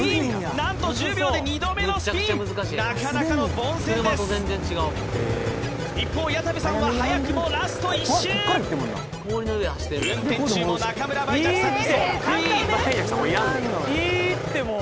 なんと１０秒で２度目のスピンなかなかの凡戦です一方矢田部さんは早くもラスト１周運転中も中村梅雀さんにそっくりいいってもう！